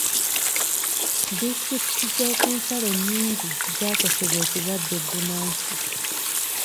Disitulikiti z'oku nsalo nnyingi zaakosebwa ekirwadde bbunansi.